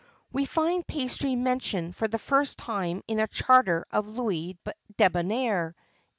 [XXIV 38] We find pastry mentioned for the first time in a charter of Louis le Débonnaire (802).